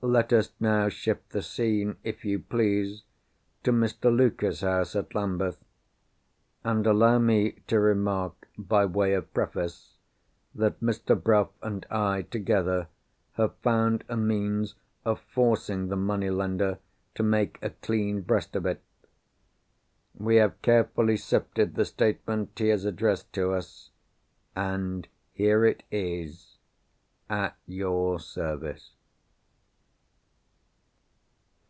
Let us now shift the scene, if you please to Mr. Luker's house at Lambeth. And allow me to remark, by way of preface, that Mr. Bruff and I, together, have found a means of forcing the money lender to make a clean breast of it. We have carefully sifted the statement he has addressed to us; and here it is at your service.